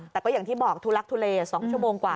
แต่ก็อย่างที่บอกทุลักทุเล๒ชั่วโมงกว่า